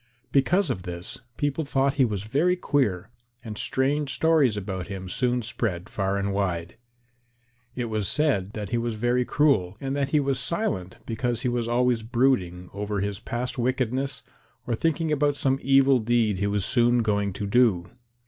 Because of this, people thought he was very queer, and strange stories about him soon spread far and wide. It was said that he was very cruel, and that he was silent because he was always brooding over his past wickedness or thinking about some evil deed he was soon going to do.